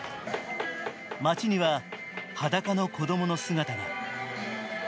街には裸の子供の姿が。